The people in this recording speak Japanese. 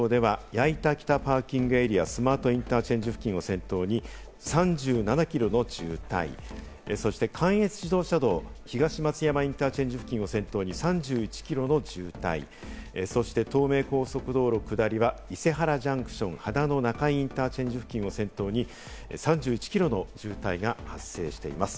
東北自動車道では矢板北パーキングエリア、スマートインターチェンジ付近を先頭に３７キロの渋滞、そして関越自動車道、東松山インターチェンジ付近を先頭に３１キロの渋滞、そして東名高速道路下りは伊勢原ジャンクション、秦野中井インターチェンジ付近を先頭に、３１キロの渋滞が発生しています。